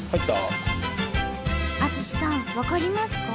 淳さん分かりますか？